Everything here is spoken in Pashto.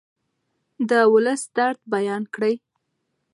د ولس درد بیان کړئ.